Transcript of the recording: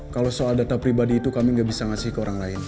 kalau soal data pribadi itu kami nggak bisa ngasih ke orang lain